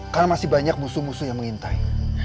karena masih banyak musuh musuh yang mengintai